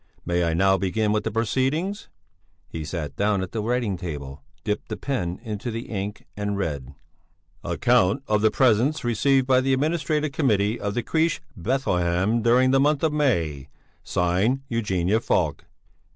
May I now begin with the proceedings?" He sat down at the writing table, dipped the pen into the ink and read: "'Account of the Presents received by the Administrative Committee of the Crèche "Bethlehem" during the month of May: Signed Eugenia Falk.'"